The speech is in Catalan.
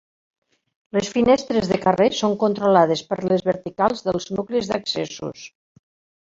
Les finestres de carrers són controlades per les verticals dels nuclis d'accessos.